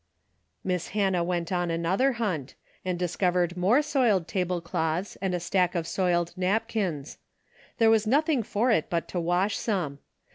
Miss Hannah went on another hunt, and discovered more soiled tablecloths and a stack of soiled napkins. There was nothing for it but to wash some.